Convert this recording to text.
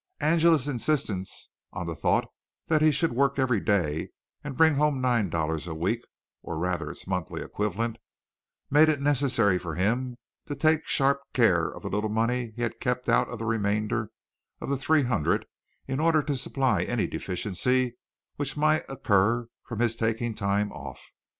Angela's insistence on the thought that he should work every day and bring home nine dollars a week, or rather its monthly equivalent, made it necessary for him to take sharp care of the little money he had kept out of the remainder of the three hundred in order to supply any deficiency which might occur from his taking time off.